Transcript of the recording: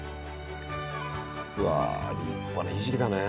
うわ立派なひじきだね。